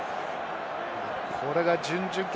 これが準々決。